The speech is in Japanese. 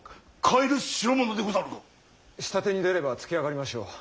下手に出ればつけあがりましょう。